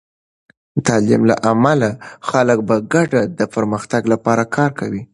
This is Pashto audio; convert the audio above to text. د تعلیم له امله، خلک په ګډه د پرمختګ لپاره کار کوي.